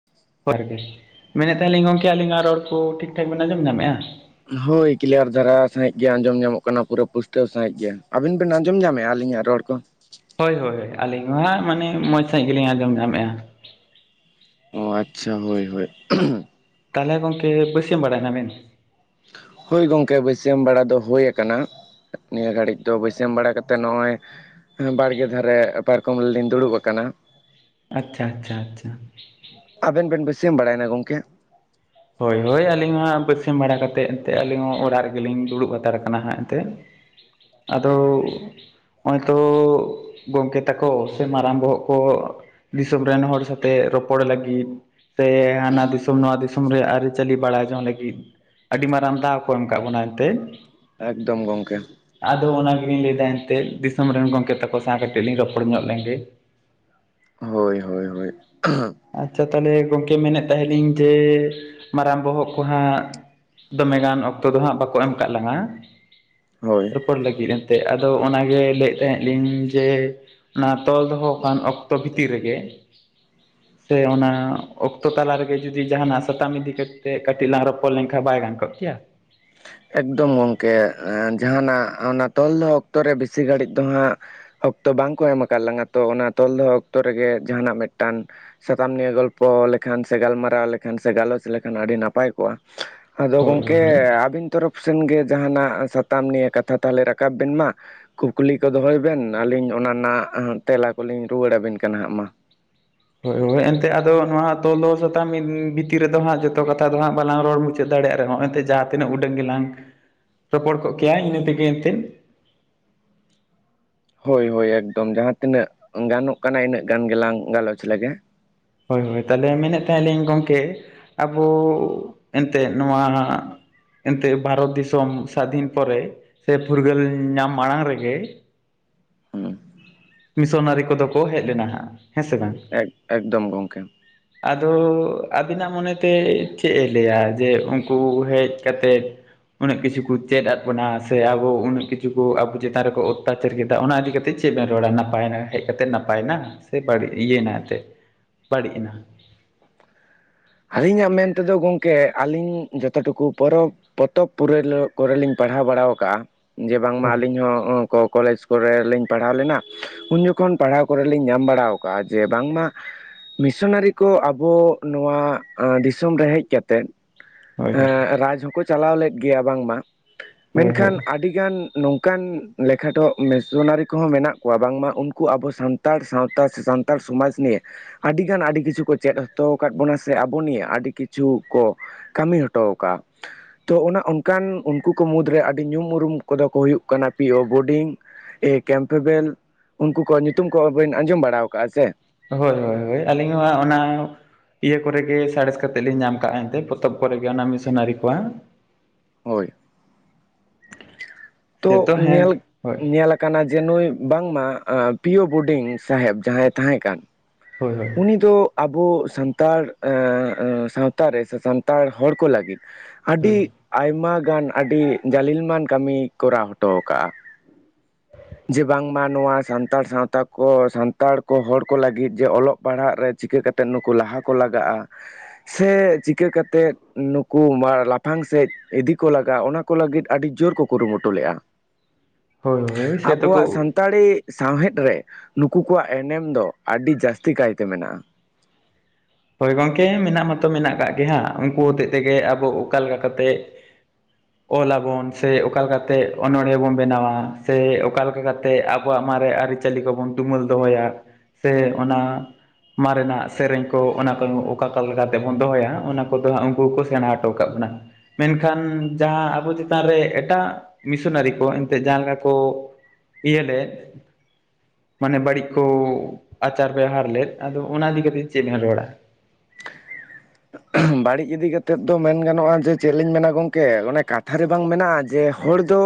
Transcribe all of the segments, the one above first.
[inaudible] ᱯᱟᱹᱦᱤᱞᱤ ᱢᱮᱱᱮᱫ ᱛᱟᱦᱮᱫ ᱞᱤᱧ ᱜᱚᱝᱠᱮ ᱟᱹᱞᱤᱧᱟᱜ ᱨᱚᱲ ᱠᱚ, ᱴᱷᱤᱠ ᱴᱷᱟᱠ ᱵᱮᱱ ᱟᱸᱡᱚᱢ ᱧᱟᱢᱮᱫᱼᱟ ᱾ ᱦᱳᱭ ᱠᱤᱞᱤᱭᱟᱨ ᱫᱷᱟᱨᱟ ᱥᱟᱦᱤᱡ ᱜᱮ ᱟᱸᱡᱚᱢ ᱧᱟᱢᱚᱜ ᱠᱟᱱᱟ, ᱯᱩᱨᱟᱹ ᱯᱩᱥᱴᱟᱹᱣ ᱥᱟᱹᱦᱤᱡ ᱜᱮ ᱟᱵᱤᱱ ᱟᱵᱮᱱ ᱟᱸᱡᱚᱢ ᱧᱟᱢᱮᱫ ᱟ᱾ ᱟᱹᱞᱤᱧᱟᱜ ᱨᱚᱲ ᱠᱚ ᱾ ᱦᱳᱭ-ᱦᱳᱭ ᱟᱹᱞᱤᱧ ᱦᱚᱸ ᱦᱟᱸᱜ ᱢᱟᱱᱮ, ᱢᱚᱡᱽ ᱥᱟᱺᱦᱤᱡ ᱜᱮᱞᱤᱧ ᱟᱸᱡᱚᱢ ᱧᱟᱢᱮᱫ ᱟ ᱾ ᱚ ᱟᱪᱪᱷᱟ ᱦᱳᱭ-ᱦᱳᱭ᱾ ᱛᱟᱦᱚᱞᱮ ᱜᱚᱝᱠᱮ ᱵᱟᱹᱥᱭᱟᱹᱢ ᱵᱟᱲᱟᱭ ᱱᱟᱵᱮᱱ? ᱦᱳᱭ ᱜᱚᱝᱠᱮ ᱵᱟᱹᱭᱥᱭᱟᱹᱢ ᱵᱮᱲᱟ ᱫᱚ ᱦᱳᱭ ᱠᱟᱱᱟ ᱾ ᱱᱤᱭᱟᱹ ᱜᱷᱟᱹᱲᱤᱡ ᱫᱚ ᱵᱟᱹᱥᱭᱟᱹᱢ ᱵᱟᱲᱟ ᱠᱟᱛᱮᱫ ᱱᱚᱜᱼᱚᱭ ᱵᱟᱲᱜᱮ ᱫᱷᱟᱨᱮ ᱯᱟᱨᱠᱚᱢ ᱨᱮᱞᱤᱧ ᱫᱩᱲᱩᱵ ᱟᱠᱟᱱᱟ ᱾ ᱟᱪᱪᱷᱟ-ᱟᱪᱪᱷᱟ-ᱟᱪᱪᱷᱟ ᱾ ᱟᱵᱮᱱ ᱵᱮᱱ ᱵᱟᱹᱥᱭᱟᱹᱢ ᱵᱟᱲᱟᱭ ᱱᱟ ᱜᱚᱝᱠᱮ? ᱦᱳᱭ - ᱦᱳᱭ ᱟᱹᱞᱤᱧ ᱦᱟᱸᱜ ᱵᱟᱹᱥᱭᱟᱹᱢ ᱵᱟᱲᱟ ᱠᱟᱛᱮᱫ ᱟᱹᱞᱤᱧ ᱦᱚᱸ ᱚᱲᱟᱜ ᱨᱮᱜᱮᱞᱤᱧ ᱫᱩᱲᱩᱵ ᱦᱟᱛᱟᱲ ᱠᱟᱱᱟ ᱦᱟᱸᱜ ᱮᱱᱛᱮ ᱟᱫᱚ ᱦᱚᱜᱼᱚᱭ ᱛᱚ ᱜᱚᱝᱠᱮ ᱛᱟᱠᱚ ᱥᱮ ᱢᱟᱨᱟᱝ ᱵᱚᱦᱚᱜ ᱠᱚ ᱫᱤᱥᱚᱢ ᱨᱮᱱ ᱦᱚᱲ ᱥᱟᱛᱮ ᱨᱚᱯᱚᱲ ᱞᱟᱹᱜᱤᱫ, ᱥᱮ ᱦᱟᱱᱟ ᱫᱤᱥᱚᱢ ᱱᱚᱣᱟ ᱫᱤᱥᱚᱢ ᱨᱮ ᱟᱹᱨᱤᱪᱟᱹᱞᱤ ᱵᱟᱲᱟᱭ ᱡᱚᱝ ᱞᱟᱹᱜᱤᱫ, ᱟᱹᱰᱤ ᱢᱟᱨᱟᱝ ᱫᱟᱣ ᱠᱚ ᱮᱢ ᱟᱠᱟᱫ ᱵᱚᱱᱟ ᱮᱱᱛᱮᱫ ᱮᱠᱫᱚᱢ ᱜᱚᱝᱠᱮ ᱟᱫᱚ ᱚᱱᱟ ᱜᱮᱞᱤᱧ ᱞᱟᱹᱭᱫᱟ ᱮᱱᱛᱮᱫ ᱫᱤᱥᱚᱢ ᱨᱮᱱ ᱜᱚᱝᱠᱮ ᱛᱟᱠᱚ ᱥᱟᱶᱛᱮ ᱞᱤᱧ ᱨᱚᱯᱚᱲ ᱧᱚᱜ ᱞᱮᱱ ᱜᱮ᱾ ᱦᱳᱭ-ᱦᱳᱭ-ᱦᱳᱭ ᱟᱪᱪᱷᱟ ᱛᱟᱦᱚᱞᱮ ᱜᱚᱝᱠᱮ ᱢᱮᱱᱮᱫ ᱛᱟᱦᱮᱸ ᱞᱤᱧ ᱡᱮ ᱢᱟᱨᱟᱝ ᱵᱚᱦᱚᱜ ᱠᱚ ᱦᱟᱸᱜ ᱫᱚᱢᱮ ᱜᱟᱱ ᱚᱠᱛᱚ ᱫᱚ ᱦᱟᱸᱜ ᱵᱟᱠᱚ ᱮᱢ ᱠᱟᱜ ᱞᱟᱝᱜᱼᱟ ᱦᱳᱭ ᱨᱚᱯᱚᱲ ᱞᱟᱹᱜᱤᱫ ᱮᱱᱛᱮᱫ ᱟᱫᱚ ᱚᱱᱟᱜᱮ ᱞᱟᱹᱭᱮᱫ ᱛᱟᱦᱮᱸᱞᱤᱧ ᱡᱮᱼᱼ ᱚᱱᱟ ᱛᱚᱞ ᱫᱚᱦᱚᱣ ᱠᱟᱱ ᱚᱠᱛᱚ ᱵᱷᱤᱛᱤᱨ ᱨᱮᱜᱮ᱾ ᱥᱮ ᱚᱱᱟ ᱚᱠᱛᱚ ᱛᱟᱞᱟ ᱨᱮᱜᱮ ᱡᱩᱫᱤ ᱡᱟᱦᱱᱟᱜᱼᱟᱼᱼ ᱥᱟᱛᱟᱢ ᱤᱫᱤ ᱠᱟᱛᱮᱫ ᱠᱟᱹᱴᱤᱡ ᱞᱟᱝ ᱨᱚᱯᱚᱲ ᱞᱮᱱᱠᱷᱟᱱ ᱵᱟᱭ ᱜᱟᱱ ᱠᱚᱜ ᱠᱮᱭᱟ᱾ ᱮᱠᱫᱚᱢ ᱜᱚᱢᱠᱮ ᱡᱟᱦᱟᱱᱟᱜ ᱚᱱᱟ ᱛᱚᱞ ᱫᱚᱦᱚ ᱚᱠᱛᱚ ᱨᱮ ᱵᱮᱥᱤ ᱜᱷᱟᱹᱲᱤᱡ ᱫᱚ ᱦᱟᱸᱜᱼᱼ ᱚᱠᱛᱚ ᱵᱟᱝᱠᱚ ᱮᱢ ᱟᱠᱟᱫ ᱞᱟᱸᱜᱟ ᱛᱚ ᱚᱱᱟ ᱛᱚᱞ ᱫᱚᱦᱚ ᱚᱠᱛᱚ ᱨᱮᱜᱮ ᱡᱟᱦᱟᱱᱟᱜ ᱢᱤᱫᱴᱟᱝᱼᱼ ᱥᱟᱛᱟᱢ ᱱᱤᱭᱮ ᱜᱚᱞᱯᱚ ᱞᱮᱠᱷᱟᱱ ᱥᱮ ᱜᱟᱞᱢᱟᱨᱟᱣ ᱞᱮᱠᱷᱟᱱ ᱥᱮ ᱜᱟᱞᱚᱪ ᱞᱮᱠᱷᱟᱱ ᱟᱹᱰᱤ ᱱᱟᱯᱟᱭ ᱠᱚᱜᱼᱟ᱾ ᱟᱫᱚ ᱦᱳᱭ ᱦᱳᱭ ᱜᱚᱢᱠᱮᱼᱼ ᱦᱳᱭ ᱟᱹᱵᱤᱱ ᱛᱚᱨᱚᱯᱷ ᱥᱮᱱ ᱜᱮ ᱡᱟᱦᱟᱱᱟᱜ ᱥᱟᱛᱟᱢ ᱱᱤᱭᱮ ᱠᱟᱛᱷᱟ ᱛᱟᱦᱚᱞᱮ ᱨᱟᱠᱟᱵ ᱵᱮᱱ ᱢᱟ? ᱠᱩᱠᱞᱤ ᱠᱚ ᱫᱚᱦᱚᱭ ᱵᱮᱱ ᱟᱹᱞᱤᱧ ᱚᱱᱟ ᱨᱮᱱᱟᱜ ᱛᱮᱞᱟ ᱠᱚᱞᱤᱧ ᱨᱩᱣᱟᱹᱲ ᱟᱵᱮᱱ ᱠᱟᱱᱟ ᱦᱟᱸᱜ ᱢᱟ? ᱦᱮᱸᱻ ᱮᱱᱛᱮ ᱟᱫᱚ ᱱᱚᱣᱟ ᱛᱚᱞᱚ ᱥᱟᱛᱟᱢ ᱵᱷᱤᱛᱤᱨ ᱨᱮᱫᱚ ᱦᱟᱸᱜ ᱡᱚᱛᱚ ᱠᱟᱛᱷᱟ ᱫᱚ ᱦᱟᱸᱜ ᱵᱟᱞᱟᱝ ᱨᱚᱲ ᱢᱩᱪᱟᱹᱫᱼᱟ ᱫᱟᱲᱮᱭᱟᱜ ᱨᱮᱦᱚᱸ ᱮᱱᱛᱮᱜ ᱡᱟᱦᱟᱸ ᱛᱤᱱᱟᱹᱜ ᱩᱰᱟᱹᱝ ᱜᱮᱞᱟᱝ ᱨᱚᱯᱚᱲ ᱠᱚᱜ ᱠᱮᱭᱟ ᱤᱱᱟᱹ ᱛᱮᱜᱮ ᱮᱱᱛᱮᱫᱼᱼ ᱦᱳᱭ ᱦᱳᱭ ᱮᱠᱫᱚᱢ ᱡᱟᱦᱟᱸ ᱛᱤᱱᱟᱹᱜ ᱜᱟᱱᱚᱜ ᱠᱟᱱᱟ ᱤᱱᱟᱹᱜ ᱜᱟᱱ ᱜᱮᱞᱟᱝ ᱜᱟᱞᱚᱪ ᱞᱮᱜᱮᱼᱼ ᱦᱳᱭ ᱦᱳᱭ ᱛᱟᱦᱚᱞᱮ ᱢᱮᱱᱮᱫ ᱛᱟᱦᱮᱞᱤᱧ ᱜᱚᱢᱠᱮ ᱟᱵᱩ ᱮᱱᱛᱮᱫ ᱱᱚᱣᱟᱼᱼ ᱮᱱᱛᱮᱫ ᱵᱷᱟᱨᱚᱛ ᱫᱤᱥᱚᱢ ᱥᱟᱫᱷᱤᱱ ᱯᱚᱨᱮ ᱥᱮ ᱯᱷᱩᱨᱜᱟᱹᱞ ᱧᱟᱢ ᱢᱟᱲᱟᱝ ᱨᱮᱜᱮ ᱦᱩᱸ ᱢᱤᱥᱚᱱᱟᱨᱤ ᱠᱚᱫᱚ ᱠᱚ ᱦᱮᱡ ᱞᱮᱱᱟ ᱦᱟᱸᱜ ᱦᱮᱸ ᱥᱮ ᱵᱟᱝ? ᱮᱠ ᱮᱠᱫᱚᱢ ᱜᱚᱢᱠᱮ ᱟᱫᱚ ᱟᱹᱵᱤᱱᱟᱜ ᱢᱚᱱᱮᱛᱮ ᱪᱮᱫ ᱮ ᱞᱟᱹᱭᱟ ᱡᱮ ᱩᱱᱠᱩ ᱦᱮᱡ ᱠᱟᱛᱮᱫ? ᱚᱱᱮᱜ ᱠᱤᱪᱷᱩ ᱠᱚ ᱪᱮᱫ ᱟᱫ ᱵᱚᱱᱟ ᱥᱮ ᱟᱵᱚ ᱚᱱᱮᱜ ᱠᱤᱪᱷᱩ ᱟᱵᱚ ᱪᱮᱛᱟᱱ ᱨᱮᱠᱚ ᱚᱛᱛᱟᱼᱼ ᱠᱮᱫᱟ ᱚᱱᱟ ᱤᱫᱤ ᱠᱮᱛᱮᱫ ᱪᱮᱫ ᱵᱮᱱ ᱨᱚᱲᱟ ᱱᱟᱯᱟᱭᱮᱱᱟ ᱦᱮᱡ ᱠᱟ ᱠᱟᱛᱮᱫ ᱱᱟᱯᱟᱭᱮᱱᱟ ᱥᱮ ᱵᱟᱹᱲᱤᱡ ᱤᱭᱟᱹᱭᱮᱱᱟ ᱮᱛᱮᱫᱼᱼ ᱵᱟᱹᱲᱤᱡ ᱮᱱᱟ ᱟᱹᱞᱤᱧᱟᱜ ᱢᱮᱱ ᱛᱮᱫᱚ ᱜᱚᱢᱠᱮ ᱟᱹᱞᱤᱧ ᱡᱚᱛᱚ ᱴᱩᱠᱩ ᱯᱚᱨᱚᱵᱽᱼᱼ ᱯᱚᱛᱚᱵ ᱯᱩᱨᱟᱹᱭ ᱠᱚᱨᱮ ᱞᱤᱧ ᱯᱟᱲᱦᱟᱣ ᱵᱟᱲᱟᱣ ᱠᱟᱜᱼᱟ ᱡᱮ ᱵᱟᱝ ᱢᱟ ᱦᱳᱭ ᱟᱹᱞᱤᱧ ᱦᱚᱸᱼᱼ ᱠᱚ ᱠᱚᱞᱮᱡᱽ ᱠᱚᱨᱮ ᱞᱤᱧ ᱯᱟᱲᱦᱟᱣ ᱞᱮᱱᱟ᱾ ᱩᱱ ᱡᱚᱠᱷᱚᱱ ᱯᱟᱲᱦᱟᱣ ᱠᱚᱨᱮ ᱞᱤᱧ ᱧᱟᱢ ᱵᱟᱲᱟᱣ ᱠᱟᱜᱼᱟ ᱡᱮ ᱵᱟᱝᱢᱟ᱾ ᱢᱤᱥᱚᱱᱟᱨᱤ ᱠᱚ ᱟᱵᱚ ᱱᱚᱶᱟ᱾ ᱫᱤᱥᱚᱢ ᱨᱮ ᱦᱮᱡ ᱠᱟᱛᱮᱫ ᱦᱳᱭ ᱦᱳᱭ ᱨᱟᱡᱽ ᱦᱚᱸᱠᱚ ᱪᱟᱞᱟᱣ ᱞᱮᱫ ᱜᱮᱭᱟ ᱵᱟᱝᱼᱢᱟ ᱦᱳᱭ ᱦᱳᱭ ᱢᱮᱱᱠᱷᱟᱱ ᱟᱰᱤ ᱜᱟᱱ ᱱᱚᱝᱠᱟᱱ ᱞᱮᱠᱷᱟᱴᱚᱜ ᱢᱤᱥᱚᱱᱟᱨᱤ ᱠᱚᱦᱚᱸ ᱢᱮᱱᱟᱜ ᱠᱚᱣᱟ ᱵᱟᱝᱢᱟ ᱩᱱᱠᱩ ᱟᱵᱚ ᱥᱟᱱᱛᱟᱼᱼ ᱛᱟᱲ ᱥᱟᱶᱛᱟ ᱥᱮ ᱥᱟᱱᱛᱟᱲ ᱥᱚᱢᱟᱡᱽ ᱱᱤᱭᱮ ᱟᱹᱰᱤ ᱜᱟᱱ ᱟᱹᱰᱤ ᱠᱤᱪᱷᱩ ᱠᱚ ᱪᱮᱫ ᱦᱚᱴᱚ ᱟᱠᱟᱫ ᱵᱚᱱᱟᱼᱼ ᱥᱮ ᱟᱵᱩ ᱱᱤᱭᱟᱹ ᱟᱰᱤ ᱠᱤᱪᱷᱩ ᱠᱚ ᱠᱟᱹᱢᱤ ᱦᱚᱴᱚ ᱠᱟᱜᱼᱟ᱾ ᱛᱚ ᱚᱱᱟ ᱚᱱᱠᱟᱱ ᱩᱱᱠᱩ ᱠᱚ ᱢᱩᱫᱽᱨᱮ ᱟᱹᱰᱤ ᱧᱩᱢ ᱩᱨᱩᱢ ᱠᱚᱫᱚ ᱠᱚ ᱦᱩᱭᱩᱜ ᱠᱟᱱᱟ ᱯᱤ ᱳ ᱵᱳᱰᱤᱝᱼᱼ ᱮ ᱠᱮᱢᱯᱮᱵᱮᱞ ᱩᱱᱠᱩ ᱠᱚᱣᱟᱜ ᱧᱩᱛᱩᱢ ᱠᱚ ᱦᱚᱸ ᱵᱮᱱ ᱟᱸᱡᱚᱢ ᱵᱟᱲᱟ ᱟᱠᱟᱜᱼᱟ ᱥᱮ? ᱦᱳᱭ ᱦᱳᱭ ᱦᱳᱭ ᱟᱹᱞᱤᱧ ᱦᱚᱸ ᱦᱟᱸᱜ ᱚᱱᱟ᱾ ᱤᱭᱟᱹ ᱠᱚᱨᱮ ᱜᱮ ᱥᱟᱬᱮᱥ ᱠᱟᱛᱮᱫ ᱞᱤᱧ ᱧᱟᱢ ᱠᱟᱜᱼᱟ ᱮᱱᱛᱮᱜ ᱯᱚᱛᱚᱵ ᱠᱚᱨᱮ ᱜᱮ ᱚᱱᱟ ᱢᱤᱥᱚᱱᱟᱨᱤ ᱠᱚᱣᱟᱜ᱾ ᱦᱳᱭ ᱛᱚ ᱥᱮᱛᱚ ᱦᱮᱸ ᱧᱮᱞᱠ ᱦᱳᱭ ᱧᱮᱞᱠᱼᱼ ᱠᱟᱱᱟ ᱡᱮ ᱱᱩᱭ ᱵᱟᱝ ᱢᱟ ᱯᱤᱭᱳ ᱵᱩᱰᱤᱝ ᱥᱟᱦᱮᱵᱽ ᱡᱟᱦᱟᱸᱭ ᱛᱟᱦᱮᱸ ᱠᱟᱱ ᱦᱳᱭ, ᱦᱳᱭ ᱩᱱᱤ ᱫᱚ ᱟᱵᱚ ᱥᱟᱱᱛᱟᱲ ᱮᱻ ᱥᱟᱶᱛᱟ ᱨᱮ ᱥᱮ ᱥᱟᱱᱛᱟᱲ ᱦᱚᱲ ᱠᱚ ᱞᱟᱹᱜᱤᱫᱼᱼ ᱟᱹᱰᱤ ᱦᱳᱭ ᱟᱭᱢᱟ ᱜᱟᱱ ᱟᱹᱰᱤ ᱜᱟᱞᱤᱞᱢᱟᱱ ᱠᱟᱹᱢᱤᱭ ᱠᱚᱨᱟᱣ ᱦᱚᱴᱚᱣ ᱠᱟᱜᱼᱟ᱾ ᱡᱮ ᱵᱟᱝ ᱢᱟ ᱱᱚᱣᱟ ᱥᱟᱱᱛᱟᱲ ᱥᱟᱶᱛᱟ ᱠᱚ ᱥᱟᱱᱛᱟᱲ ᱠᱚ ᱦᱚᱲ ᱠᱚ ᱞᱟᱹᱜᱤᱫ ᱡᱮ ᱚᱞᱚᱜ ᱯᱟᱲᱦᱟᱜ ᱨᱮ ᱪᱤᱠᱟᱹ ᱠᱟᱛᱮᱜ ᱱᱩᱠᱩ ᱞᱟᱦᱟ ᱠᱚ ᱞᱟᱜᱟᱜ-ᱟ᱾ ᱥᱮ ᱪᱤᱠᱟᱹ ᱠᱟᱛᱮᱫ ᱱᱩᱠᱩ ᱢᱟ ᱞᱟᱯᱷᱟᱝ ᱥᱮᱡᱼᱼ ᱤᱫᱤ ᱠᱚ ᱞᱟᱜᱟᱜ ᱚᱱᱟ ᱠᱚ ᱞᱟᱜᱤᱫ ᱟᱹᱰᱤ ᱡᱳᱨ ᱠᱚ ᱠᱩᱨᱩᱢᱩᱴᱩ ᱞᱮᱜ-ᱟ᱾ ᱦᱳᱭ ᱦᱳᱭ ᱥᱮ ᱛᱚᱠᱚ ᱟᱵᱚᱣᱟᱜ ᱥᱟᱱᱛᱟᱲᱤ ᱥᱟᱶᱦᱮᱫ ᱨᱮ ᱱᱩᱠᱩ ᱠᱚᱣᱟᱜ ᱮᱱᱮᱢ ᱫᱚ ᱟᱰᱤ ᱡᱟᱥᱼᱼ ᱛᱤ ᱠᱟᱭᱛᱮ ᱢᱮᱱᱟᱜ-ᱟ᱾ ᱦᱳᱭ ᱜᱚᱝᱠᱮ ᱢᱮᱱᱟᱜ ᱢᱟᱛᱚ ᱢᱮᱱᱟᱜ ᱠᱟᱜ ᱜᱮ ᱦᱟᱸᱜ ᱩᱱᱠᱩ ᱦᱚᱛᱮᱡ ᱛᱮᱜᱮ ᱟᱵᱚ ᱚᱠᱟ ᱞᱮᱠᱟ ᱠᱟᱛᱮᱜᱼᱼ [unintelligible] ᱚᱞᱟ ᱵᱚᱱ ᱥᱮ ᱚᱠᱟ ᱞᱮᱠᱟ ᱛᱮ ᱚᱱᱚᱲᱦᱮᱸ ᱵᱚᱱ ᱵᱮᱱᱟᱣᱟ ᱥᱮ ᱚᱠᱟ ᱞᱮᱠᱟ ᱠᱟᱛᱮᱜ ᱟᱵᱚᱣᱟᱜ ᱢᱟᱨᱮ ᱟᱨᱤᱼᱼ ᱪᱟᱹᱞᱤ ᱠᱚᱵᱚᱱ ᱛᱩᱢᱟᱹᱞ ᱫᱚᱦᱚᱭᱟ ᱥᱮ ᱚᱱᱟ ᱢᱟᱨᱮ ᱱᱟᱜ ᱥᱮᱨᱮᱧ ᱠᱚᱼᱼ ᱠᱚ ᱚᱱᱟ ᱠᱚ ᱚᱠᱟ ᱠᱟ ᱞᱮᱠᱟ ᱛᱮᱵᱚᱱ ᱫᱚᱦᱚᱭᱟ ᱚᱱᱟ ᱠᱚᱫᱚ ᱦᱟᱸᱜ ᱩᱱᱠᱩ ᱠᱚ ᱥᱮᱬᱟᱣ ᱴᱚ ᱠᱟᱜ ᱵᱚᱱᱟ᱾ ᱢᱮᱱᱠᱷᱟᱱ ᱡᱟᱦᱟᱸ ᱟᱵᱚ ᱪᱮᱛᱟᱱ ᱨᱮ ᱮᱴᱟᱜ ᱢᱤᱥᱚᱱᱟᱹᱨᱤ ᱠᱚ ᱮᱱᱛᱮᱜ ᱡᱟᱦᱟᱸ ᱞᱮᱠᱟ ᱠᱚ ᱼᱼ ᱤᱭᱟᱹ ᱞᱮᱫᱼᱼ ᱢᱟᱱᱮ ᱵᱟᱹᱲᱤᱡ ᱠᱚ ᱟᱪᱟᱨ ᱵᱮᱣᱦᱟᱨ ᱞᱮᱫ ᱟᱫᱚ ᱚᱱᱟ ᱤᱫᱤ ᱠᱟᱛᱮᱜ ᱪᱮᱫ ᱵᱮᱱ ᱨᱚᱲᱟ? ᱟᱜ ᱚᱦᱩᱸ᱾ [inaudible] ᱵᱟᱲᱤᱡ ᱤᱫᱤ ᱠᱟᱛᱮᱫ ᱫᱚ ᱢᱮᱱ ᱜᱟᱱᱚᱜ-ᱟ ᱡᱮ ᱪᱮᱜ ᱞᱤᱧ ᱢᱮᱱᱟ ᱜᱚᱝᱠᱮ ᱚᱱᱮ ᱠᱟᱛᱷᱟ ᱨᱮ ᱵᱟᱝ ᱢᱮᱱᱟᱜ-ᱟ ᱡᱮ ᱦᱚᱲ ᱫᱚᱼᱼ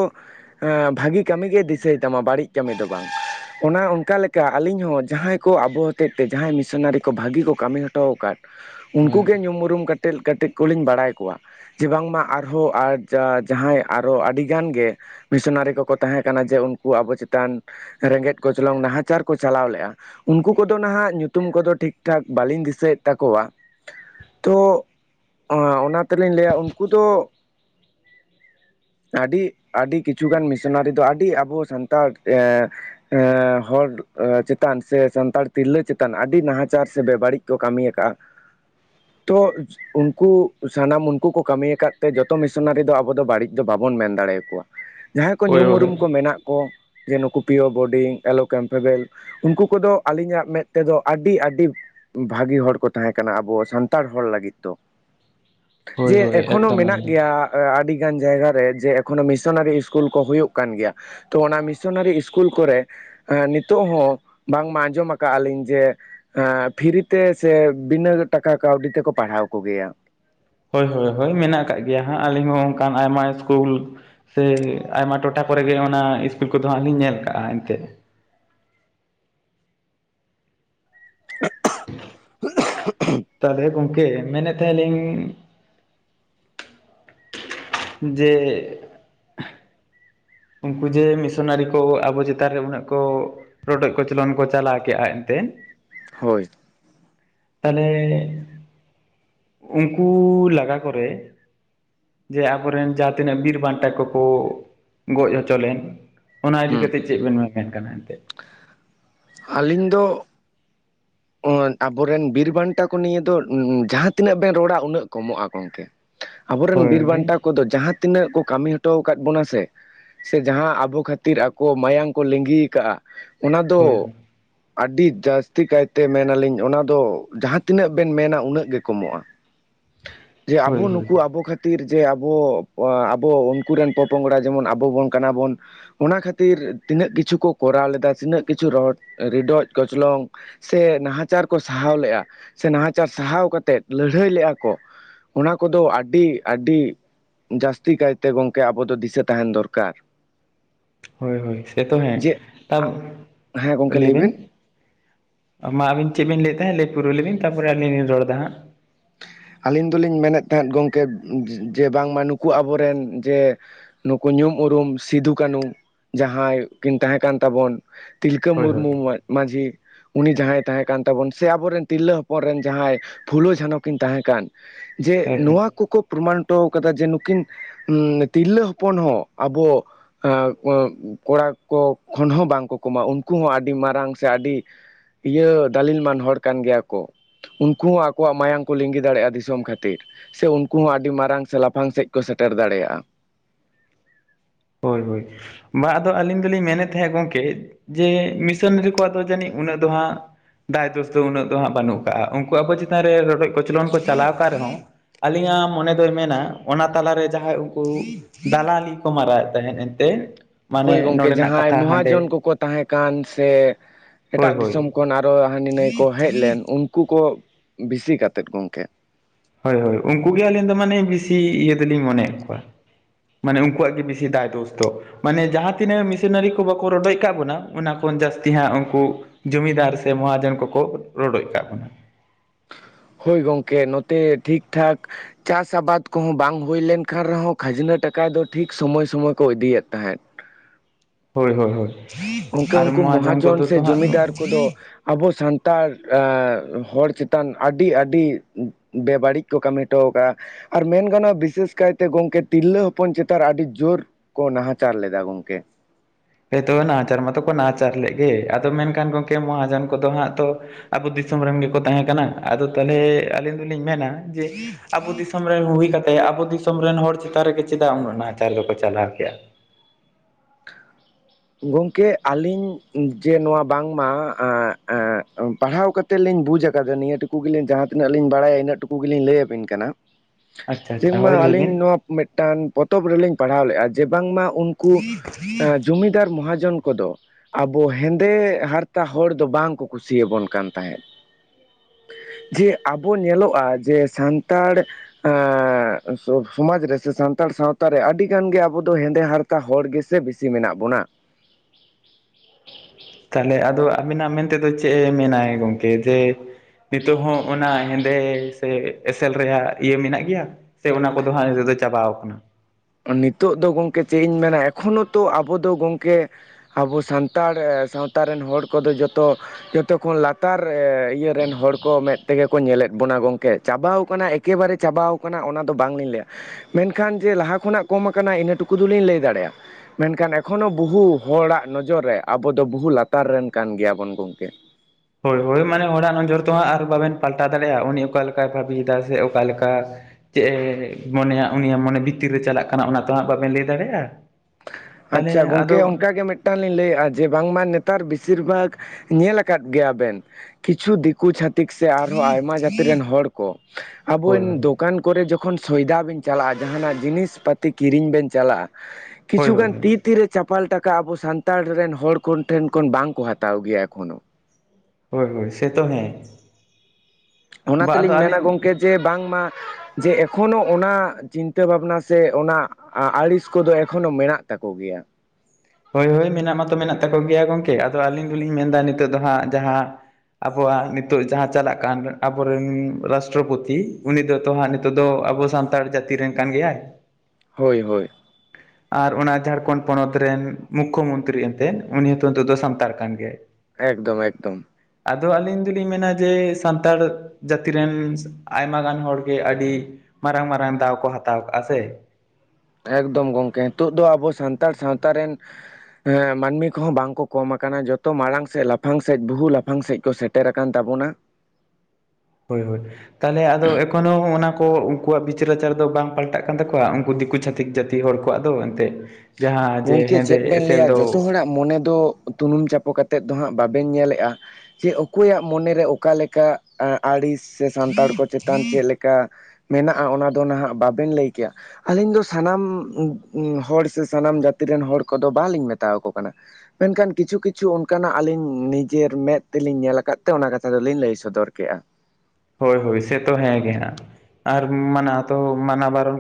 ᱦᱮᱸ ᱵᱷᱟᱜᱤ ᱠᱟᱢᱤ ᱜᱮ ᱫᱤᱥᱟᱹᱭ ᱛᱟᱢᱟ ᱵᱟᱲᱤᱡ ᱠᱟᱢᱤ ᱫᱚ ᱵᱟᱝ᱾ ᱚᱱᱟ ᱚᱱᱠᱟ ᱞᱮᱠᱟ ᱟᱞᱤᱧ ᱦᱚᱸ ᱡᱟᱦᱟᱸᱭ ᱠᱚ ᱟᱵᱚ ᱦᱚᱛᱮᱡ ᱛᱮ ᱡᱟᱦᱟᱸᱭ ᱢᱤᱥᱚᱱᱟᱨᱤ ᱠᱚ ᱵᱷᱟᱜᱤ ᱠᱚ ᱠᱟᱢᱤ ᱦᱚᱴᱚᱣ ᱠᱟᱫᱼᱼ ᱩᱱᱠᱩ ᱜᱮ ᱧᱩᱢ ᱩᱨᱩᱢ ᱠᱟᱴᱮᱞ‌ ᱠᱟᱹᱴᱤᱡ ᱠᱚᱞᱤᱧ ᱵᱟᱲᱟᱭ ᱠᱚᱣᱟ᱾ ᱡᱮ ᱵᱟᱝ ᱢᱟ ᱟᱨᱦᱚᱸ ᱟᱨ ᱡᱟ ᱡᱟᱦᱟᱸᱭ ᱟᱨᱚ ᱟᱰᱤ ᱜᱟᱱ ᱜᱮᱼᱼ ᱢᱤᱥᱚᱱᱟᱨᱤ ᱠᱚᱠᱚ ᱛᱟᱦᱮᱸ ᱠᱟᱱᱟ ᱡᱮ ᱩᱱᱠᱩ ᱟᱵᱚ ᱪᱮᱛᱟᱱ ᱨᱮᱸᱜᱮᱡ ᱠᱚᱪᱞᱚᱝ ᱱᱟᱦᱟᱪᱟᱨ ᱠᱚ ᱪᱟᱞᱟᱣ ᱞᱮᱜ-ᱟ᱾ ᱩᱱᱠᱩ ᱠᱚᱫᱚ ᱱᱟᱦᱟᱸᱜ ᱧᱩᱛᱩᱢ ᱠᱚᱫᱚ ᱴᱷᱤᱠ ᱴᱷᱟᱠ ᱵᱟᱞᱤᱧ ᱫᱤᱥᱟᱹᱭᱮᱫ ᱛᱟᱠᱚᱣᱟ᱾ ᱛᱚ ᱚᱶᱚᱻ ᱚᱱᱟ ᱛᱮᱞᱤᱧ ᱞᱟᱹᱭᱟ ᱩᱱᱠᱩ ᱫᱚ ᱼᱼ ᱟᱰᱤ ᱟᱰᱤ ᱠᱤᱪᱷᱩ ᱜᱟᱱ ᱢᱤᱥᱚᱱᱟᱨᱤ ᱫᱚ ᱟᱰᱤ ᱟᱵᱚ ᱥᱟᱱᱛᱟᱲ ᱮᱸᱜᱼᱼ ᱮᱸ ᱦᱚᱰ ᱪᱮᱛᱟᱱ ᱥᱮ ᱥᱟᱱᱛᱟᱲ ᱛᱤᱨᱞᱟᱹ ᱪᱮᱛᱟᱱ ᱟᱰᱤ ᱱᱟᱦᱟᱪᱟᱨ ᱥᱮ ᱵᱮ ᱵᱟᱲᱤᱡ ᱠᱚ ᱠᱟᱢᱤ ᱭᱮᱫᱼᱼ ᱠᱟᱜ-ᱛᱚᱼᱼ ᱩᱱᱠᱩ ᱥᱟᱱᱟᱢ ᱩᱱᱠᱩ ᱠᱚ ᱠᱟᱢᱤ ᱭᱟᱠᱟᱫ ᱛᱮ ᱡᱚᱛᱚ ᱢᱤᱥᱚᱱᱟᱨᱤ ᱫᱚ ᱟᱵᱚ ᱫᱚ ᱵᱟᱲᱤᱡ ᱫᱚ ᱵᱟᱵᱚᱱ ᱢᱮᱱ ᱫᱟᱲᱮᱭ ᱠᱚᱣᱟ᱾ ᱡᱟᱦᱟᱸᱭ ᱠᱚ ᱦᱳᱭ ᱧᱩᱢ ᱦᱳᱭ ᱩᱨᱩᱢ ᱠᱚ ᱢᱮᱱᱟᱜ ᱠᱚ ᱡᱮ ᱱᱩᱠᱩ ᱯᱤᱭᱳ ᱵᱳᱰᱤᱝ ᱮᱞᱳ ᱠᱮᱢᱯᱮᱵᱮᱞᱼᱼ ᱩᱱᱠᱩ ᱠᱚᱫᱚ ᱟᱞᱤᱧᱟᱜ ᱢᱮᱸᱫ ᱛᱮᱫᱚ ᱟᱰᱤ ᱟᱰᱤ ᱵᱷᱟᱜᱤ ᱦᱚᱲ ᱠᱚᱼᱼ ᱛᱟᱦᱮᱸ ᱠᱟᱱᱟ ᱟᱵᱚ ᱥᱟᱱᱛᱟᱲ ᱦᱚᱲ ᱞᱟᱜᱤᱫ ᱫᱚ ᱦᱳᱭ ᱡᱮ ᱦᱳᱭ ᱮᱠᱷᱚᱱᱚ ᱮᱠᱫᱚᱢ ᱢᱮᱱᱟᱜ ᱮᱠᱫᱚᱢ ᱜᱮᱭᱟ᱾ ᱮ ᱟᱰᱤ ᱜᱟᱱ ᱡᱟᱭᱜᱟ ᱨᱮ ᱡᱮ ᱮᱠᱷᱚᱱᱚ ᱢᱤᱥᱚᱱᱟᱨᱤ ᱤᱥᱠᱩᱞ ᱠᱚ ᱦᱩᱭᱩᱜ ᱠᱟᱱ ᱜᱮᱭᱟ᱾ ᱛᱚ ᱚᱱᱟ ᱢᱤᱥᱚᱱᱟᱨᱤ ᱤᱥᱠᱩᱞ ᱠᱚᱨᱮᱼᱼ ᱮᱸ ᱱᱤᱛᱚᱜ ᱦᱚᱸ ᱵᱟᱝ ᱢᱟ ᱟᱸᱡᱚᱢ ᱟᱠᱟᱜ-ᱟ ᱞᱤᱧ ᱟᱸᱻ ᱡᱮ ᱯᱷᱨᱤ ᱛᱮ ᱥᱮᱼᱼ ᱵᱤᱱᱟᱹ ᱴᱟᱠᱟ ᱠᱟᱣᱰᱤ ᱛᱮᱠᱚ ᱯᱟᱲᱦᱟᱣ ᱠᱚ ᱜᱮᱭᱟ᱾ ᱦᱳᱭ ᱦᱳᱭ ᱦᱳᱭ ᱢᱮᱱᱟᱜ ᱟᱠᱟᱜ ᱜᱮᱭᱟ ᱦᱟᱸᱜ ᱟᱞᱤᱧ ᱦᱚᱸ ᱚᱱᱠᱟᱱ ᱟᱭᱢᱟ ᱤᱥᱠᱩᱞᱼᱼ ᱥᱮ ᱟᱭᱢᱟ ᱴᱚᱴᱷᱟ ᱠᱚᱨᱮ ᱜᱮ ᱚᱱᱟ ᱤᱥᱠᱩᱞ ᱠᱚᱫᱚ ᱦᱟᱸᱜ ᱞᱤᱧ ᱧᱮᱞ ᱠᱟᱜ-ᱟ ᱮᱱᱛᱮᱜ᱾ [inaudible] ᱛᱟᱦᱚᱞᱮ ᱜᱚᱝᱠᱮ ᱢᱮᱱᱮᱫ ᱛᱮᱦᱮᱸᱜ ᱞᱤᱧᱼᱼ ᱡᱮᱼᱼ ᱩᱱᱠᱩ ᱡᱮ ᱢᱤᱥᱚᱱᱟᱨᱤ ᱠᱚ ᱟᱵᱚ ᱪᱮᱛᱟᱱ ᱨᱮ ᱩᱱᱟᱹᱜ ᱠᱚᱼᱼ ᱨᱚᱰᱚᱡ ᱠᱚᱪᱞᱚᱱ ᱠᱚ ᱪᱟᱞᱟᱣ ᱠᱮᱜ-ᱟ ᱮᱱᱛᱮᱡᱼᱼ ᱦᱳᱭ᱾ ᱛᱟᱦᱚᱞᱮ ᱩᱱᱠᱩ ᱞᱟᱜᱟ ᱠᱚᱨᱮᱼᱼ ᱡᱮ ᱟᱵᱚᱨᱮᱱ ᱡᱟᱦᱟᱸ ᱛᱤᱱᱟᱹᱜ ᱵᱤᱨ ᱵᱟᱱᱴᱟ ᱠᱚᱠᱚ ᱜᱚᱡ ᱦᱚᱪᱚ ᱞᱮᱱ᱾ ᱚᱱᱟ ᱤᱫᱤ ᱦᱩᱸ ᱠᱟᱛᱮᱫ ᱪᱮᱜ ᱵᱮᱱ ᱢᱮᱢᱮᱱ ᱠᱟᱱᱟ ᱮᱱᱛᱮᱜ? ᱦᱟᱞᱤᱧ ᱫᱚ ᱼᱼ ᱚᱸᱻ ᱟᱵᱚ ᱨᱮᱱ ᱵᱤᱨ ᱵᱟᱱᱴᱟ ᱠᱚ ᱱᱤᱭᱮ ᱫᱚ ᱩᱸᱻ ᱡᱟᱦᱟᱸ ᱛᱤᱱᱟᱹᱜ ᱵᱮᱱ ᱨᱚᱲᱟ ᱩᱱᱟᱹᱜ ᱠᱚᱢᱚᱜ-ᱟ ᱜᱚᱝᱠᱮ᱾ ᱟᱵᱚ ᱨᱮᱱ ᱦᱳᱭ ᱵᱤᱨ ᱵᱟᱱᱴᱟ ᱠᱚᱫᱚ ᱡᱟᱦᱟᱸ ᱛᱤᱱᱟᱹᱜ ᱠᱚ ᱠᱟᱢᱤ ᱦᱚᱴᱚᱣ ᱠᱟᱫ ᱵᱚᱱᱟ ᱥᱮᱼᱼ ᱥᱮ ᱡᱟᱦᱟᱸ ᱟᱵᱚ ᱠᱷᱟᱹᱛᱤᱨ ᱟᱠᱚ ᱢᱟᱭᱟᱝ ᱠᱚ ᱞᱤᱸᱜᱤ ᱭᱟᱠᱟᱜ-ᱟ ᱚᱱᱟ ᱫᱚᱼᱼ ᱦᱳᱭ ᱟᱹᱰᱤ ᱡᱟᱥᱛᱤ ᱠᱟᱭᱛᱮ ᱢᱮᱱᱟ ᱞᱤᱧ ᱚᱱᱟ ᱫᱚ ᱡᱟᱦᱟᱸ ᱛᱤᱱᱟᱹᱜ ᱵᱮᱱ ᱢᱮᱱᱟ ᱩᱱᱟᱹᱜ ᱜᱮ ᱠᱚᱢᱚᱜ-ᱟ᱾ ᱡᱮ ᱦᱳᱭ ᱟᱵᱚ ᱦᱳᱭ ᱱᱩᱠᱩ ᱟᱵᱚ ᱠᱷᱟᱹᱛᱼᱼ ᱛᱤᱨ ᱠᱷᱟᱹᱛᱤᱨ ᱡᱮ ᱟᱵᱚ ᱟᱵᱚ ᱩᱱᱠᱩᱨᱮᱱ ᱯᱚᱯᱚᱝᱲᱟ ᱡᱮᱢᱚᱱ ᱟᱵᱚ ᱵᱚᱱ ᱠᱟᱱᱟ ᱵᱚᱱ ᱚᱱᱟ ᱠᱷᱟᱹᱛᱤᱨ ᱛᱤᱱᱟᱹᱜ ᱠᱤᱪᱷᱩ ᱠᱚ ᱠᱚᱨᱟᱣ ᱞᱮᱫᱟ ᱛᱤᱱᱟᱹᱜ ᱠᱤᱪᱷᱩ ᱨᱚᱰ ᱨᱤᱰᱚᱡ ᱠᱚᱪᱞᱚᱝ ᱥᱮ ᱱᱟᱦᱟᱪᱟᱨ ᱠᱚ ᱥᱟᱦᱟᱣ ᱞᱮᱜᱼᱟ ᱥᱮ ᱱᱟᱦᱟᱪᱟᱨ ᱥᱟᱦᱟᱣ ᱠᱟᱛᱮᱫ ᱞᱟᱹᱲᱦᱟᱹᱭ ᱞᱮᱜᱼᱟ ᱠᱚ ᱚᱱᱟ ᱠᱚᱫᱚ ᱟᱹᱰᱤ ᱟᱹᱰᱤ ᱡᱟᱹᱥᱛᱤ ᱠᱟᱭᱛᱮ ᱜᱚᱝᱠᱮ ᱟᱵᱚ ᱫᱚ ᱫᱤᱥᱟᱹ ᱛᱟᱦᱮᱸᱱ ᱫᱚᱨᱠᱟᱨ ᱦᱳᱭ ᱦᱳᱭ ᱥᱮᱛᱚ ᱦᱮᱸ ᱡᱮ ᱛᱟᱵ ᱦᱮᱸ ᱜᱚᱝᱠᱮ ᱞᱟᱹᱭ ᱵᱮᱱ ᱵᱤᱱ ᱢᱟ ᱟᱵᱤᱱ ᱪᱮᱫ ᱵᱤᱱ ᱞᱟᱹᱭᱮᱫ ᱛᱟᱦᱮᱸᱫ ᱞᱟᱹᱭ ᱯᱩᱨᱟᱹᱣ ᱞᱮᱵᱤᱱ ᱛᱟᱨᱯᱚᱨ ᱟᱹᱞᱤᱧ ᱞᱤᱧ ᱨᱚᱲ ᱮᱫᱟ ᱦᱟᱸᱜ ᱟᱹᱞᱤᱧ ᱫᱚᱞᱤᱧ ᱢᱮᱱᱮᱫ ᱛᱟᱦᱮᱸᱫ ᱜᱚᱢᱠᱮ ᱡᱮ ᱵᱟᱝᱢᱟ ᱱᱩᱠᱩ ᱟᱵᱚ ᱨᱮᱱ ᱡᱮ ᱱᱩᱠᱩ ᱧᱩᱢ ᱩᱨᱩᱢ ᱥᱤᱫᱩ ᱠᱟᱹᱱᱩ ᱡᱟᱦᱟᱸᱭ ᱠᱤᱱ ᱛᱟᱦᱮᱸ ᱠᱟᱱ ᱛᱟᱵᱚᱱ ᱛᱤᱞᱠᱟᱹ ᱦᱳᱭ ᱦᱳᱭ ᱢᱩᱨᱢᱩ ᱢᱟᱹᱡᱷᱤ ᱩᱱᱤ ᱡᱟᱦᱟᱸᱭ ᱛᱟᱦᱮᱸ ᱠᱟᱱ ᱛᱟᱵᱚᱱ ᱥᱮ ᱟᱵᱚᱨᱮᱱ ᱛᱤᱨᱞᱟᱹ ᱦᱚᱯᱚᱱ ᱨᱮᱱ ᱡᱟᱦᱟᱸᱭ ᱯᱷᱩᱞᱳ ᱡᱷᱟᱱᱚ ᱠᱤᱱ ᱛᱟᱦᱮᱸ ᱠᱟᱱ ᱡᱮ ᱦᱳᱭ ᱱᱚᱣᱟ ᱠᱚᱠᱚ ᱯᱨᱚᱢᱟᱱᱴᱚ ᱠᱟᱫᱟ ᱡᱮ ᱱᱩᱠᱤᱱ ᱦᱩᱸ ᱛᱤᱨᱞᱟᱹ ᱦᱚᱯᱚᱱ ᱦᱚᱸ ᱟᱵᱚ ᱦᱟᱸ ᱠᱚᱵ ᱠᱚᱲᱟ ᱠᱚ ᱠᱷᱚᱱ ᱦᱚᱸ ᱵᱟᱝᱠᱚ ᱠᱚᱢᱟ ᱩᱱᱠᱩ ᱦᱚᱸ ᱟᱹᱰᱤ ᱢᱟᱨᱟᱝ ᱥᱮ ᱟᱹᱰᱤ ᱤᱭᱟᱹ ᱫᱟᱹᱟᱞᱤᱞ ᱢᱟᱱ ᱦᱚᱲ ᱠᱟᱱ ᱜᱮᱭᱟ ᱠᱚ ᱩᱱᱠᱩ ᱦᱚᱸ ᱟᱠᱚᱣᱟᱜ ᱢᱟᱭᱟᱝ ᱠᱚ ᱞᱤᱸᱜᱤ ᱫᱟᱲᱮᱭᱟᱜᱼᱟ ᱫᱤᱥᱚᱢ ᱠᱷᱟᱹᱛᱤᱨ ᱥᱮ ᱩᱱᱠᱩ ᱦᱚᱸ ᱟᱹᱰᱤ ᱢᱟᱨᱟᱝ ᱥᱮ ᱞᱟᱯᱷᱟᱝ ᱥᱮᱫ ᱠᱚ ᱥᱮᱴᱮᱨ ᱫᱟᱲᱮᱭᱟᱜᱼᱟ ᱦᱳᱭ ᱦᱳᱭ ᱵᱟ ᱟᱫᱚ ᱟᱹᱞᱤᱧ ᱫᱚᱞᱤᱧ ᱢᱮᱱᱮᱫ ᱛᱟᱦᱮᱸᱱᱟ ᱜᱚᱢᱠᱮ ᱡᱮ ᱢᱤᱥᱚᱱᱟᱨᱤ ᱠᱚᱣᱟᱜ ᱫᱚ ᱡᱟᱹᱱᱤᱡ ᱩᱱᱟᱹᱜ ᱫᱚ ᱦᱟᱸᱜ ᱫᱟᱭ ᱫᱳᱥ ᱫᱚ ᱩᱱᱟᱹᱜ ᱫᱚ ᱦᱟᱸᱜ ᱵᱟᱹᱱᱩᱜ ᱠᱟᱜᱼᱟ ᱩᱱᱠᱩ ᱟᱵᱚ ᱪᱮᱛᱟᱱ ᱨᱮ ᱨᱚᱰᱚᱡ ᱠᱚᱪᱞᱚᱱ ᱠᱚ ᱪᱟᱞᱟᱣ ᱟᱠᱟᱫ ᱨᱮᱦᱚᱸ ᱟᱹᱞᱤᱧᱟᱜ ᱢᱚᱱᱮ ᱫᱚᱭ ᱢᱮᱱᱟ ᱚᱱᱟ ᱛᱟᱞᱟᱨᱮ ᱡᱟᱦᱟᱸᱭ ᱩᱱᱠᱩ ᱫᱟᱞᱟᱱᱤ ᱠᱚ ᱢᱟᱨᱟᱣᱮᱫ ᱛᱟᱦᱮᱸᱱ ᱮᱱᱛᱮ ᱢᱟᱱᱮ ᱦᱳᱭ ᱜᱚᱢᱠᱮ ᱱᱚᱰᱮᱱᱟᱜ ᱡᱟᱦᱟᱸᱭ ᱠᱟᱛᱷᱟ ᱦᱟᱸᱰᱮ ᱢᱚᱦᱟᱡᱚᱱ ᱠᱚᱠᱚ ᱛᱟᱦᱮᱸ ᱠᱟᱱ ᱥᱮ ᱦᱳᱭ ᱮᱴᱟᱜ ᱦᱳᱭ ᱫᱤᱥᱚᱢ ᱠᱷᱚᱱ ᱟᱨᱚ ᱦᱟᱹᱱᱤ ᱱᱟᱹᱭ ᱠᱚ ᱦᱮᱡ ᱞᱮᱱ ᱩᱱᱠᱩ ᱠᱚ ᱵᱮᱥᱤ ᱠᱟᱛᱮᱫ ᱜᱚᱢᱠᱮ ᱦᱳᱭ ᱦᱳᱭ ᱩᱱᱠᱩ ᱜᱮ ᱟᱹᱞᱤᱧ ᱫᱚ ᱢᱟᱱᱮ ᱵᱮᱥᱤ ᱤᱭᱟᱹ ᱫᱚᱞᱤᱧ ᱢᱚᱱᱭᱮᱫ ᱠᱚᱣᱟ ᱢᱟᱱᱮ ᱩᱱᱠᱩᱣᱟᱜ ᱜᱮ ᱵᱤᱥᱤ ᱫᱟᱭ ᱫᱳᱥ ᱫᱚ ᱢᱟᱱᱮ ᱡᱟᱦᱟᱸ ᱛᱤᱱᱟᱹᱜ ᱢᱤᱥᱟᱹᱱᱟᱨᱤ ᱠᱚ ᱵᱟᱠᱚ ᱨᱚᱰᱚᱡ ᱟᱠᱟᱫ ᱵᱚᱱᱟ ᱚᱱᱟ ᱠᱷᱚᱱ ᱡᱟᱹᱥᱛᱤ ᱦᱟᱸᱜ ᱩᱱᱠᱩ ᱡᱚᱢᱤᱫᱟᱨ ᱥᱮ ᱢᱚᱦᱟᱡᱚᱱ ᱠᱚᱠᱚ ᱨᱚᱰᱚᱡ ᱟᱠᱟᱫ ᱵᱚᱱᱟ ᱦᱳᱭ ᱜᱚᱢᱠᱮ ᱱᱚᱛᱮ ᱴᱷᱤᱠ ᱴᱷᱟᱠ ᱪᱟᱥ ᱟᱵᱟᱫ ᱠᱚᱦᱚᱸ ᱵᱟᱝ ᱦᱩᱭ ᱞᱮᱱᱠᱷᱟᱱ ᱨᱮᱦᱚᱸ ᱠᱷᱟᱹᱡᱽᱱᱟᱹ ᱴᱟᱠᱟᱟ ᱫᱚ ᱴᱷᱤᱠ ᱥᱚᱢᱚᱭ ᱥᱚᱢᱚᱭ ᱠᱚ ᱤᱫᱤᱭᱮᱫ ᱛᱟᱦᱮᱸᱫ ᱦᱳᱭ ᱦᱳᱭ ᱦᱳᱭ ᱜᱚᱢᱠᱮ ᱟᱨ ᱩᱱᱠᱩ ᱢᱚᱦᱟᱡᱚᱱ ᱠᱚᱫᱚ ᱥᱮ ᱛᱚ ᱦᱟᱸᱜ ᱡᱚᱢᱤᱫᱟᱨ ᱠᱚᱫᱚ ᱟᱵᱚ ᱥᱟᱱᱛᱟᱲ ᱦᱚᱲ ᱟᱸᱜ ᱦᱚᱲ ᱪᱮᱛᱟᱱ ᱟᱹᱰᱤ ᱟᱹᱰᱤ ᱵᱮᱵᱟᱹᱲᱤᱡ ᱠᱚ ᱠᱟᱹᱢᱤ ᱦᱚᱴᱚ ᱟᱠᱟᱜᱼᱟ ᱟᱨ ᱢᱮᱱ ᱜᱟᱱᱚᱜᱼᱟ ᱵᱤᱥᱮᱥ ᱠᱟᱭᱛᱮ ᱜᱚᱝᱠᱮ ᱛᱤᱨᱞᱟᱹ ᱦᱚᱯᱚᱱ ᱪᱮᱛᱟᱱ ᱟᱹᱰᱤ ᱡᱳᱨ ᱠᱚ ᱱᱟᱦᱟᱪᱟᱨ ᱞᱮᱫᱟ ᱜᱚᱝᱠᱮ ᱦᱚᱭᱛᱚ ᱱᱟᱦᱟᱪᱟᱨ ᱢᱟᱛᱚ ᱠᱚ ᱱᱟᱦᱟᱪᱟᱨ ᱞᱮᱫ ᱜᱮ ᱟᱫᱚ ᱢᱮᱱᱠᱷᱟᱱ ᱜᱚᱢᱠᱮ ᱢᱚᱦᱟᱡᱚᱱ ᱠᱚᱫᱚ ᱦᱟᱸᱜ ᱛᱚ ᱟᱵᱚ ᱫᱤᱥᱚᱢ ᱨᱮᱱ ᱜᱮᱠᱚ ᱛᱟᱦᱮᱸ ᱠᱟᱱᱟ ᱟᱫᱚ ᱛᱟᱦᱚᱞᱮ ᱟᱹᱞᱤᱧ ᱫᱚᱞᱤᱧ ᱢᱮᱱᱟ ᱡᱮ ᱟᱵᱚ ᱫᱤᱥᱚᱢ ᱨᱮᱱ ᱦᱩᱭ ᱠᱟᱛᱮᱫ ᱟᱵᱚ ᱫᱤᱥᱚᱢ ᱨᱮᱱ ᱦᱚᱲ ᱪᱮᱛᱟᱱ ᱨᱮᱜᱮ ᱪᱮᱫᱟᱜ ᱩᱱᱟᱹᱜ ᱱᱟᱦᱟᱪᱟᱨ ᱫᱚᱠᱚ ᱪᱟᱞᱟᱣ ᱠᱮᱜᱼᱟ ᱜᱚᱝᱠᱮ ᱟᱞᱤᱧ ᱡᱮ ᱱᱚᱣᱟ ᱵᱟᱝᱢᱟ ᱟᱸᱜ ᱮᱸᱜ ᱯᱟᱲᱦᱟᱣ ᱠᱟᱛᱮᱫ ᱠᱟᱛᱮᱫ ᱞᱤᱧ ᱵᱩᱡ ᱟᱠᱟᱫᱟ ᱱᱤᱭᱟᱹ ᱴᱩᱠᱩ ᱜᱮᱞᱤᱧ ᱡᱟᱦᱟᱸ ᱛᱤᱱᱟᱹᱜ ᱞᱤᱧ ᱵᱟᱲᱟᱭᱟ ᱤᱱᱟᱹᱜ ᱴᱩᱠᱩ ᱜᱮᱞᱤᱧ ᱞᱟᱹᱭᱟ ᱵᱤᱱ ᱠᱟᱱᱟ ᱟᱪᱪᱷᱟ ᱟᱪᱪᱷᱟ ᱡᱮᱢᱟ ᱦᱳᱭ ᱞᱟᱹᱭ ᱟᱞᱤᱧ ᱵᱤᱱ ᱱᱚᱣᱟ ᱢᱤᱫᱴᱟᱝ ᱯᱚᱛᱚᱵ ᱨᱮᱞᱤᱧ ᱯᱟᱲᱦᱟᱣ ᱞᱮᱜᱼᱟ ᱡᱮ ᱵᱟᱝᱢᱟ ᱩᱱ [unintelligible] ᱡᱩᱢᱤᱫᱟᱨ ᱢᱚᱦᱟᱡᱚᱱ ᱠᱚᱫᱚ, ᱟᱵᱚ ᱦᱮᱸᱫᱮ ᱦᱟᱨᱛᱟ ᱦᱚᱲ ᱫᱚ ᱵᱟᱝᱠᱚ ᱠᱩᱥᱤᱭᱟᱵᱚᱱ ᱠᱟᱱ ᱛᱟᱦᱮᱸᱫ᱾ ᱡᱮ ᱟᱵᱚ ᱧᱮᱞᱚᱜᱼᱟ ᱡᱮ ᱥᱟᱱᱛᱟᱲ ᱥᱚᱢᱟᱡᱽ ᱨᱮᱥᱮ ᱥᱟᱱᱛᱟᱲ ᱥᱟᱶᱛᱟ ᱨᱮ ᱟᱹᱰᱤ ᱜᱟᱱ ᱜᱮ ᱟᱵᱚ ᱫᱚ ᱦᱮᱸᱫᱮ ᱦᱟᱨᱛᱟ ᱦᱚᱲ ᱜᱮ, ᱥᱮ ᱵᱮᱥᱤ ᱢᱮᱱᱟᱜ ᱵᱚᱱᱟ᱾ ᱛᱟᱦᱞᱮ ᱟᱫᱚ ᱟᱵᱤᱱᱟᱜ ᱢᱮᱱ ᱛᱮᱫᱚ ᱪᱮᱫ ᱮ ᱢᱮᱱᱟᱭ ᱜᱚᱢᱠᱮ ᱡᱮ, ᱱᱤᱛᱚᱜ ᱦᱚᱸ ᱚᱱᱟ ᱦᱮᱸᱫᱮ ᱥᱮ ᱮᱥᱮᱞ ᱨᱮᱭᱟᱜ ᱤᱭᱟᱹ ᱢᱮᱱᱟᱜ ᱜᱮᱭᱟ᱾ ᱥᱮ ᱚᱱᱟ ᱠᱚᱫᱚ ᱦᱟᱜ ᱱᱤᱛᱚᱜ ᱫᱚ ᱪᱟᱵᱟ ᱟᱠᱟᱱᱟ᱾ ᱱᱤᱛᱚᱜ ᱫᱚ ᱜᱚᱝᱠᱮ ᱪᱮᱫ ᱤᱧ ᱢᱮᱱᱟ ᱮᱠᱷᱚᱱᱳ ᱛᱚ ᱟᱵᱚ ᱫᱚ ᱜᱚᱝᱠᱮ ᱟᱵᱚ ᱥᱟᱱᱛᱟᱲ ᱥᱟᱶᱛᱟ ᱨᱮᱱ ᱦᱚᱲ ᱠᱚᱫᱚ ᱡᱚᱛᱚ ᱡᱚᱛᱚ ᱠᱷᱚᱱ ᱞᱟᱛᱟᱨ ᱤᱭᱟᱹ ᱨᱮᱱ ᱦᱚᱲ ᱠᱚ ᱢᱮᱸᱫ ᱛᱮᱜᱮ ᱠᱚ ᱧᱮᱞᱮᱫ ᱵᱚᱱᱟ ᱜᱚᱢᱠᱮ ᱪᱟᱵᱟᱣ ᱠᱟᱱᱟ ᱮᱠ ᱮᱠᱮᱵᱟᱨᱮ ᱪᱟᱵᱟᱣ ᱠᱟᱱᱟ ᱚᱱᱟ ᱫᱚ ᱵᱟᱝᱞᱤᱧ ᱞᱟᱹᱭᱟ ᱢᱮᱱᱠᱷᱟᱱ ᱡᱮ ᱞᱟᱦᱟ ᱠᱷᱚᱱᱟᱜ ᱠᱚᱢ ᱟᱠᱟᱱᱟ ᱤᱱᱟᱹ ᱴᱩᱠᱩ ᱫᱚᱞᱤᱧ ᱞᱟᱹᱭ ᱫᱟᱲᱮᱭᱟᱜ-ᱟ᱾ ᱢᱮᱱᱠᱷᱟᱱ ᱮᱠᱷᱚᱱᱚ ᱵᱩᱦᱩ ᱦᱚᱲᱟᱜ ᱱᱚᱡᱚᱨ ᱨᱮ ᱟᱵᱚ ᱫᱚ ᱵᱩᱦᱩ ᱞᱟᱛᱟᱨ ᱨᱮᱱ ᱠᱟᱱ ᱜᱮᱭᱟᱵᱚᱱ ᱜᱚᱝᱠᱮ᱾ ᱦᱳᱭ ᱦᱳᱭ ᱢᱟᱱᱮ ᱦᱚᱲᱟᱜ ᱱᱚᱡᱚᱨ ᱛᱚ ᱦᱟᱜ ᱟᱨ ᱵᱟᱵᱮᱱ ᱯᱟᱞᱴᱟᱣ ᱫᱟᱲᱮᱭᱟᱜ-ᱟ ᱩᱱᱤ ᱚᱠᱟ ᱞᱮᱠᱟᱭ ᱵᱷᱟᱹᱵᱤᱭᱮᱫᱟ ᱥᱮ ᱚᱠᱟ ᱞᱮᱠᱟ ᱪᱮᱫ ᱮᱻ ᱢᱚᱱᱮᱭᱟ ᱩᱱᱤᱭᱟᱜ ᱢᱚᱱᱮ ᱵᱷᱤᱛᱤᱨ ᱨᱮ ᱪᱟᱞᱟᱜ ᱠᱟᱱᱟ ᱚᱱᱟ ᱛᱚ ᱦᱟᱸᱜ ᱵᱟᱵᱮᱱ ᱞᱟᱹᱭ ᱫᱟᱲᱮᱭᱟᱜ-ᱟ᱾ ᱟᱪᱪᱷᱟ ᱜᱚᱝᱠᱮ ᱚᱱᱠᱟ ᱜᱮ ᱢᱤᱫ ᱢᱤᱫᱴᱟᱝ ᱞᱤᱧ ᱞᱟᱹᱭᱮᱫ-ᱟ ᱡᱮ ᱵᱟᱝᱢᱟ ᱱᱮᱛᱟᱨ ᱵᱮᱥᱤᱨ ᱵᱷᱟᱜᱽ ᱧᱮᱞ ᱟᱠᱟᱫ ᱜᱮᱭᱟ ᱵᱮᱱ ᱠᱤᱪᱷᱩ ᱫᱤᱠᱩ ᱪᱷᱟᱹᱛᱤᱠ ᱥᱮ ᱟᱨᱦᱚᱸ ᱟᱭᱢᱟ ᱡᱟᱹᱛᱤ ᱨᱮᱱ ᱦᱚᱲ ᱠᱚ ᱟᱵᱚ ᱦᱳᱭ ᱦᱳᱭ ᱨᱮᱱ ᱫᱚᱠᱟᱱ ᱠᱚᱨᱮ ᱡᱚᱠᱷᱚᱱ ᱥᱚᱭᱫᱟ ᱵᱤᱱ ᱪᱟᱞᱟᱜ-ᱟ ᱡᱟᱦᱟᱱᱟᱜ ᱡᱤᱱᱤᱥ ᱯᱟᱹᱛᱤ ᱠᱤᱨᱤᱧ ᱵᱮᱱ ᱪᱟᱞᱟᱜ-ᱟ ᱦᱳᱭ ᱠᱤᱪᱷᱩᱜᱟᱱ ᱦᱳᱭ ᱛᱤ ᱨᱮ ᱪᱟᱯᱟᱞ ᱴᱟᱠᱟ ᱟᱵᱚ ᱥᱟᱱᱛᱟᱲ ᱨᱮᱱ ᱦᱚᱲ ᱠᱷᱚᱱ ᱴᱷᱮᱱ ᱠᱷᱚᱱ ᱵᱟᱝ ᱠᱚ ᱦᱟᱛᱟᱣ ᱜᱮᱭᱟ ᱮᱠᱷᱚᱱᱳ᱾ ᱦᱳᱭ ᱦᱳᱭ ᱥᱮᱛᱚ ᱦᱮᱸ, ᱚᱱᱟ ᱵᱟ ᱟᱫᱚ ᱛᱮᱞᱤᱧ ᱢᱮᱱᱟ ᱜᱚᱝ ᱟᱹᱞᱤᱧ ᱠᱮ ᱡᱮ ᱵᱟᱝᱢᱟ ᱡᱮ ᱮᱠᱷᱚᱱᱳ ᱚᱱᱟ ᱪᱤᱱᱛᱟᱹ ᱵᱷᱟᱵᱽᱱᱟ ᱥᱮ ᱚᱱᱟ ᱟᱹᱲᱤᱥ ᱠᱚᱫᱚ ᱮᱠᱷᱚᱱᱳ ᱢᱮᱱᱟᱜ ᱛᱟᱠᱚ ᱜᱮᱭᱟ᱾ ᱦᱳᱭ ᱦᱳᱭ ᱢᱮᱱᱟᱜ ᱢᱟᱛᱚ ᱢᱮᱱᱟᱜ ᱛᱟᱠᱚ ᱜᱮᱭᱟ ᱜᱚᱝᱠᱮ ᱟᱫᱚ ᱟᱹᱞᱤᱧ ᱫᱚᱞᱤᱧ ᱢᱮᱱᱫᱟ ᱱᱤᱛᱚᱜ ᱫᱚ ᱦᱟᱸᱜ ᱡᱟᱦᱟᱸ ᱟᱵᱚᱣᱟᱜ ᱱᱤᱛᱚᱜ ᱡᱟᱦᱟᱸ ᱪᱟᱞᱟᱜ ᱠᱟᱱ ᱟᱵᱚᱨᱮᱱ ᱨᱟᱥᱴᱨᱚᱯᱚᱛᱤ ᱩᱱᱤ ᱫᱚ ᱛᱚ ᱦᱸᱟᱜ ᱱᱤ ᱛᱚᱜ ᱫᱚ ᱟᱵᱚ ᱥᱟᱱᱛᱟᱲ ᱡᱟᱹᱛᱤ ᱨᱮᱱ ᱠᱟᱱ ᱜᱮᱭᱟᱭ᱾ ᱦᱳᱭ ᱦᱳᱭ ᱟᱨ ᱚᱱᱟ ᱡᱷᱟᱲᱠᱷᱚᱸᱱᱰ ᱯᱚᱱᱚᱛ ᱨᱮᱱ ᱢᱩᱠᱠᱷᱚ ᱢᱚᱱᱛᱨᱤ ᱮᱱᱛᱮᱫ ᱩᱱᱤ ᱦᱚᱸᱛᱚ ᱱᱤᱛᱚᱜ ᱫᱚ ᱥᱟᱱᱛᱟᱲ ᱠᱟᱱ ᱜᱮᱭᱟᱭ᱾ ᱮᱠᱫᱚᱢ ᱮᱠᱫᱚᱢ᱾ ᱟᱫᱚ ᱟᱹᱞᱤᱧ ᱫᱚᱞᱤᱧ ᱢᱮᱱᱟ ᱡᱮ ᱥᱟᱱᱛᱟᱲ ᱡᱟᱹᱛᱤ ᱨᱮᱱ ᱟᱭᱢᱟ ᱜᱟᱱ ᱦᱚᱲ ᱜᱮ ᱟᱹᱰᱤ ᱢᱟᱨᱟᱝ ᱢᱟᱨᱟᱝ ᱫᱟᱣ ᱠᱚ ᱦᱟᱛᱟᱣ ᱠᱟᱜ-ᱟ ᱥᱮ ᱮᱠᱫᱚᱢ ᱜᱚᱝᱠᱮ ᱱᱤᱛᱚᱜ ᱫᱚ ᱟᱵᱚ ᱥᱟᱱᱛᱟᱲ ᱥᱟᱶᱛᱟ ᱨᱮᱱ ᱮ ᱢᱟᱹᱱᱢᱤ ᱠᱚ ᱦᱚᱸ ᱵᱟᱝ ᱠᱚ ᱠᱚᱢ ᱟᱠᱟᱱᱟ ᱡᱚᱛᱚ ᱢᱟᱲᱟᱝ ᱥᱮᱫ ᱞᱟᱯᱷᱟᱝ ᱥᱮᱫ ᱵᱩᱦᱩ ᱞᱟᱯᱷᱟᱝ ᱥᱮᱫ ᱠᱚ ᱥᱮᱴ ᱴᱮᱨ ᱟᱠᱟᱱ ᱛᱟᱵᱚᱱᱟ᱾ ᱦᱳᱭ ᱦᱳᱭ ᱛᱟᱦᱞᱮ ᱟᱫᱚ ᱮᱠᱷᱚᱱᱳ ᱚᱱᱟ ᱠᱚ ᱩᱱᱠᱩᱣᱟᱜ ᱵᱤᱪᱟᱹᱨ ᱟᱪᱟᱨ ᱫᱚ ᱵᱟᱝ ᱯᱟᱞᱴᱟᱜ ᱠᱟᱱ ᱛᱟᱠᱚᱣᱟ ᱩᱱᱠᱩ ᱪᱷᱟ ᱛᱤᱠ ᱡᱟᱹᱛᱤ ᱦᱚᱲ ᱠᱚᱣᱟᱜ ᱫᱚ ᱮᱱᱛᱮᱫ ᱡᱟᱦᱟᱸ ᱡᱮ ᱜᱚᱝᱠᱮ ᱦᱮᱸᱫᱮ ᱪᱮᱫ ᱵᱮᱱ ᱮᱥᱮᱞ ᱞᱟᱹᱭᱟ ᱫᱚ ᱡᱚᱛᱚ ᱦᱚᱲᱟᱜ ᱢᱚᱱᱮ ᱫᱚ ᱛᱩᱱᱩᱢ ᱪᱟᱯᱚ ᱠᱟᱛᱮᱫ ᱫᱚ ᱦᱟᱸᱜ ᱵᱟᱵᱮᱱ ᱧᱮᱞᱮᱜ-ᱟ, ᱪᱮ ᱚᱠᱚᱭᱟᱜ ᱢᱚᱱᱮ ᱨᱮ ᱚᱠᱟ ᱞᱮᱠᱟ ᱟᱹᱲᱤᱥ ᱥᱮ ᱥᱟᱱᱛᱟᱲ ᱠᱚ ᱪᱮᱛᱟᱱ ᱪᱮᱫ ᱞᱮᱠᱟ ᱢᱮᱱᱟᱜᱼᱟ ᱚᱱᱟ ᱫᱚ ᱱᱟᱦᱟᱜ ᱵᱟᱵᱮᱱ ᱞᱟᱹᱭ ᱠᱮᱭᱟ ᱟᱹᱞᱤᱧ ᱫᱚ ᱥᱟᱱᱟᱢ ᱩᱸ ᱩᱸ ᱦᱚᱲᱼᱼ ᱥᱮ ᱥᱟᱱᱟᱢ ᱡᱟᱹᱛᱤ ᱨᱮᱱ ᱦᱚᱲ ᱠᱚᱫᱚ ᱵᱟᱞᱤᱧ ᱢᱮᱛᱟᱣᱟᱠᱚ ᱠᱟᱱᱟ᱾ ᱢᱮᱱᱠᱦᱟᱱ ᱠᱤᱪᱷᱩ ᱠᱤᱪᱷᱩ ᱚᱱᱠᱟᱱᱟᱜ ᱟᱹᱞᱤᱧ ᱱᱤᱡᱮᱨ ᱢᱮᱫ ᱛᱮᱞᱤᱧ ᱧᱮᱞ ᱟᱠᱟᱫ ᱛᱮ ᱚᱱᱟ ᱠᱟᱛᱷᱟ ᱫᱚᱞᱤᱧ ᱞᱟᱹᱭ ᱥᱚᱫᱚᱨ ᱠᱮᱜᱼᱟ᱾ ᱦᱳᱭ ᱦᱳᱭ ᱥᱮᱛᱚ ᱦᱮᱸ ᱜᱮ ᱟᱨ ᱢᱟᱱᱟ ᱛᱚ ᱢᱟᱱᱟ ᱵᱟᱨᱚᱱ ᱠᱚᱼᱼ